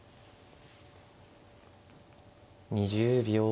２０秒。